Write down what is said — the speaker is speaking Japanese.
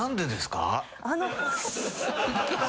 あの。